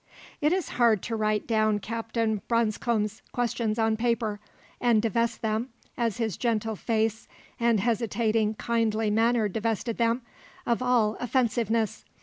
It is hard to write down Captain Branscome's questions on paper, and divest them, as his gentle face and hesitating kindly manner divested them, of all offensiveness.